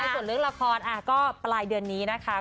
ส่วนเรื่องละครก็ปลายเดือนนี้นะคะ